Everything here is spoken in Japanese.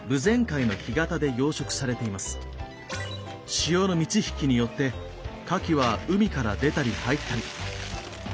潮の満ちひきによってカキは海から出たり入ったり。